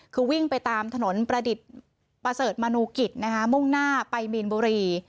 คือวิ่งไปตามถนนประดิษฐ์ประเสริฐมนูกิจนะคะมุ่งหน้าไปมีนบุรี